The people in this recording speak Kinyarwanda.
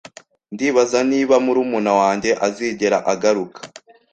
Ndibaza niba murumuna wanjye azigera agaruka